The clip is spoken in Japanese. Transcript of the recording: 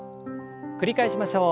繰り返しましょう。